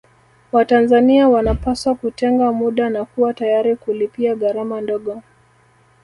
Watanzania wanapaswa kutenga muda na kuwa tayari kulipia gharama ndogo